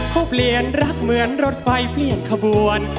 เขาเปลี่ยนรักเหมือนรถไฟเปลี่ยนขบวน